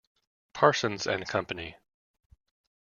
Parsons and Company.